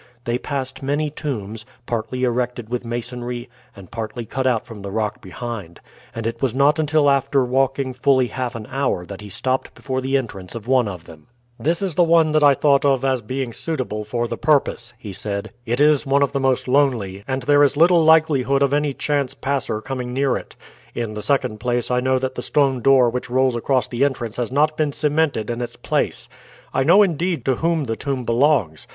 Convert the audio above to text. They passed many tombs, partly erected with masonry and partly cut out from the rock behind; and it was not until after walking fully half an hour that he stopped before the entrance of one of them. "This is the one that I thought of as being suitable for the purpose," he said. "It is one of the most lonely, and there is little likelihood of any chance passer coming near it. In the second place, I know that the stone door which rolls across the entrance has not been cemented in its place. I know indeed to whom the tomb belongs.